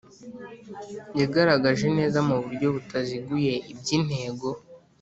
yagaragaje neza mu buryo butaziguye iby intego